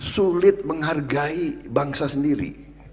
sulit menghargai bangsa sendiri